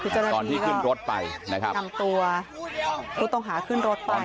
คือเจ้านี่ก็ทำตัวต้องหาขึ้นรถไปน่ะครับ